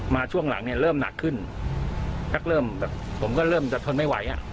มาช่วงหลังเริ่มหนักขึ้นพักเริ่มผมก็เริ่มจะทนไม่ไหว